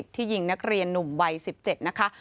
ที่ยิงนักเรียนหนุ่มวัย๑๗นะคะ